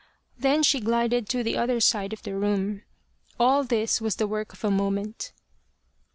Then she glided to the other side of the room. All this was the work of a moment.